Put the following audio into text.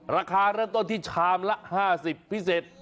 ราคาเริ่มต้นที่ชามละ๕๐พิเศษ